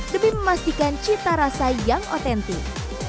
demi memastikan cita rasa yang otentik